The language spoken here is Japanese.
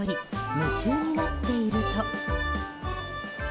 夢中になっていると。